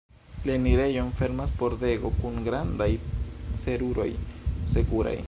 La enirejon fermas pordego kun grandaj seruroj sekuraj.